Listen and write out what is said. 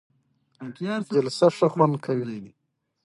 ستا د سالو جنډۍ مي خدای لره منظوره نه وه